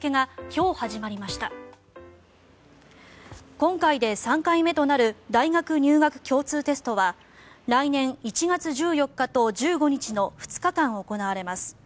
今回で３回目となる大学入学共通テストは来年１月１４日と１５日の２日間行われます。